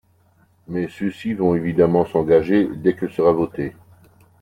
Mais ceux-ci vont évidemment s’engager dès qu’elle sera votée.